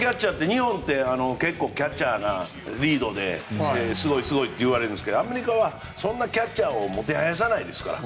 日本はキャッチャーがリードですごいといわれるんですがアメリカはそんなキャッチャーをもてはやさないですから。